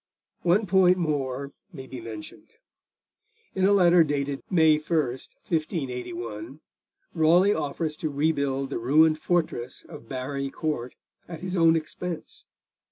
One point more may be mentioned. In a letter dated May 1, 1581, Raleigh offers to rebuild the ruined fortress of Barry Court at his own expense.